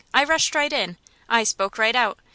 I rushed right in I spoke right out.